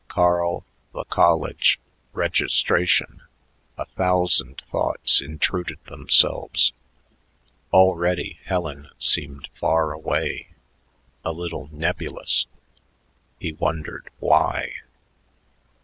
Carl, the college, registration a thousand thoughts intruded themselves. Already Helen seemed far away, a little nebulous. He wondered why....